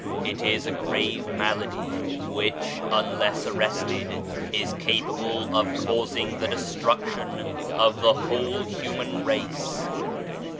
It is a grave malady which, unless arrested, is capable of causing the destruc tion of the whole Human Race.